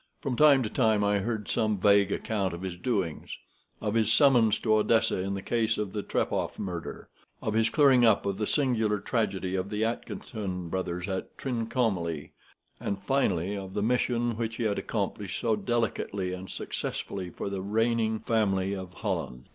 From time to time I heard some vague account of his doings; of his summons to Odessa in the case of the Trepoff murder, of his clearing up of the singular tragedy of the Atkinson brothers at Trincomalee, and finally of the mission which he had accomplished so delicately and successfully for the reigning family of Holland.